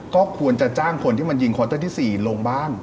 ก็ควรจะจ้างคนที่มันยิงคอนเตอร์ที่๔ลงบ้าง